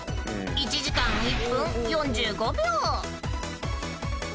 ［１時間１分４５秒］